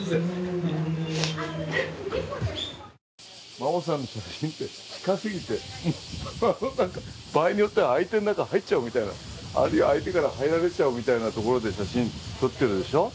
真生さんの写真て、近すぎてなんか、場合によっては相手の中、入っちゃうみたいな、あるいは相手から入られちゃうみたいなところで写真撮ってるでしょう。